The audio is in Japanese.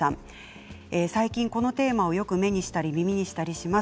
最近このテーマをよく目にしたり耳にしたりします。